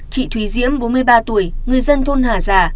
chị thúy diễm bốn mươi ba tuổi người dân thôn hà già